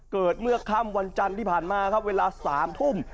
เกิดเมื่อค่ำวันจันทร์ที่ผ่านมาครับเวลา๓ทุ่ม